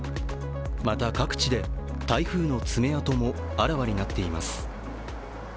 また、各地で台風の爪痕もあらわになっています。